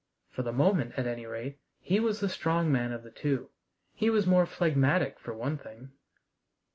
For the moment, at any rate, he was the strong man of the two. He was more phlegmatic, for one thing.